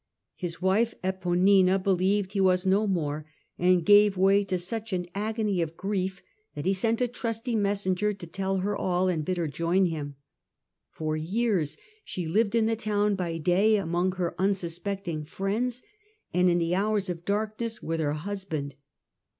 His wife Epponina believed he was no more, and gave way to such an agony of grief that he sent a trusty messenger to tell her all and bid her join him. For years she lived, in the town by day among her unsus pecting friends, and in the hours of darkness with her husband.